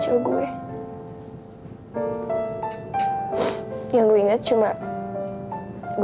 saya masih masih